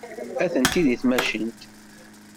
Atenti deg tmacint.